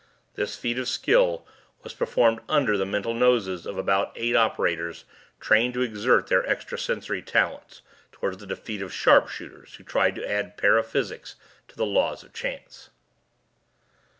This feat of skill was performed under the mental noses of about eight operators trained to exert their extrasensory talents toward the defeat of sharpshooters who tried to add paraphysics to the laws of chance.